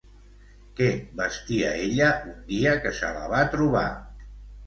Què vestia ella un dia que se la va trobar?